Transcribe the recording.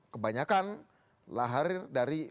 kebanyakan lahir dari